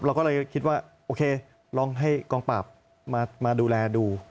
เราก็เลยคิดว่าโอเคลองให้กองปราบมาดูแลดู